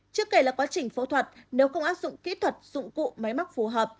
trước kể là quá trình phẫu thuật nếu không áp dụng kỹ thuật dụng cụ máy móc phù hợp